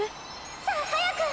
さあ早く。